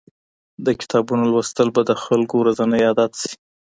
د کتابونو لوستل به د خلګو ورځنی عادت سي.